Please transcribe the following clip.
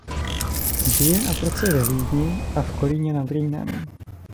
Žije a pracuje ve Vídni a v Kolíně nad Rýnem.